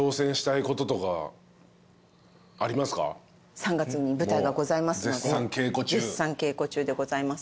３月に舞台がございますので絶賛稽古中でございます。